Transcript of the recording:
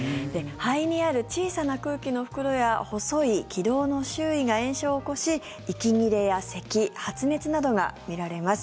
肺にある小さな空気の袋や細い気道の周囲が炎症を起こし息切れやせき、発熱などが見られます。